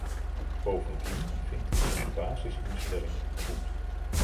Bovendien vind ik hun basisinstelling goed.